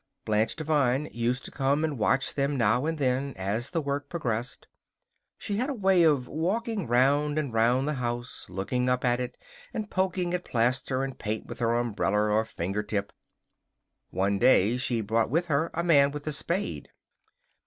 Blanche Devine used to come and watch them now and then as the work progressed. She had a way of walking round and round the house, looking up at it and poking at plaster and paint with her umbrella or finger tip. One day she brought with her a man with a spade.